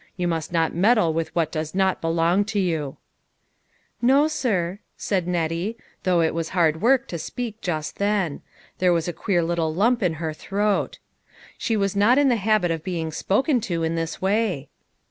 You must not meddle with what does not belong to you." LONG STOKIES TO TELL. 131 " No, sir ;" said Nettie, though it was hard work to speak just then ; there was a queer little lump in her throat. She was not in the habit of being spoken to in this way.